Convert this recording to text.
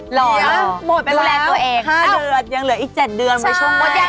หรอหมดไปแล้วห้าเดือนยังเหลืออีก๗เดือนไปช่วงหน้าหมดแล้ว